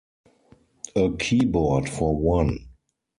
A keyboard for one.